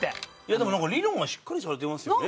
でも理論はしっかりされてますよね。